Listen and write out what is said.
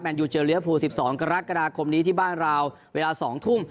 มันอยู่เจอเหลือภูมิ๑๒กรกฎาคมนี้ที่บ้านราวเวลา๒ทุ่ม